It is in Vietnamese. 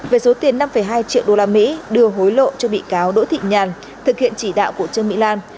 về số tiền năm hai triệu đô la mỹ đưa hối lộ cho bị cáo đỗ thị nhàn thực hiện chỉ đạo của chương mỹ lan